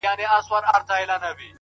دا غرونه غرونه پـه واوښـتـل